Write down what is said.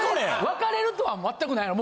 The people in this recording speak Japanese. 別れるとか全くないの？